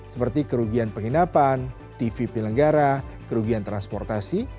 seperti kerugian penginapan tv pilenggara kerugian transportasi